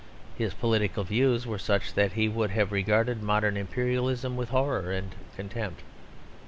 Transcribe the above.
His political views were such that he would have regarded modern imperialism with horror and contempt.